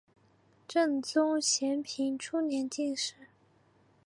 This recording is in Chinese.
真宗咸平初年进士。